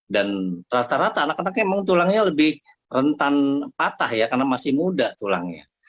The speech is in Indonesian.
dan rata rata anak anaknya memang tulangnya lebih rentan patah ya karena masih muda tulangnya